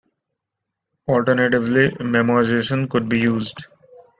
Alternatively, memoization could be used.